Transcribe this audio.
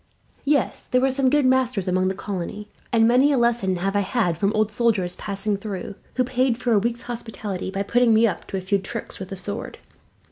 "Yes. There were some good masters among the colony, and many a lesson have I had from old soldiers passing through, who paid for a week's hospitality by putting me up to a few tricks with the sword."